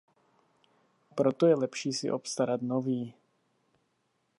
Proto je lepší si obstarat nový.